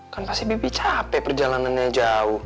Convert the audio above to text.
kan pasti bibi capek perjalanannya jauh